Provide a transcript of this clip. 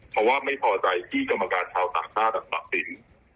เพราะว่าไม่พอใจที่กรรมการชาวต่างชาติตัดสิน